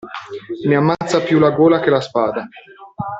Ne ammazza più la gola che la spada.